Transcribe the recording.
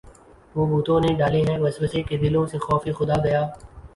وہ بتوں نے ڈالے ہیں وسوسے کہ دلوں سے خوف خدا گیا